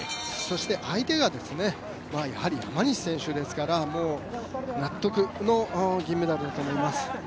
相手が山西選手ですから納得の銀メダルだと思います。